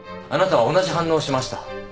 あなたは同じ反応をしました。